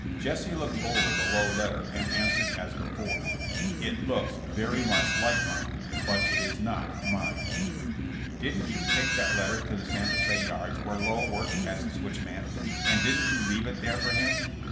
Jesse looked over the Lowe letter and answered as before ; *'It looks very much like mine, but it is not mine." ''Didn't you take that letter to the Sante Fe yards where Lowe worked as a switchman, and didn't you leave it there for him?"